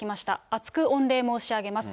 厚く御礼申し上げます。